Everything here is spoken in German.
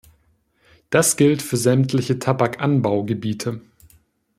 Das gilt für sämtliche Tabakanbau-Gebiete.